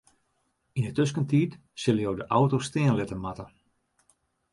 Yn 'e tuskentiid sille jo de auto stean litte moatte.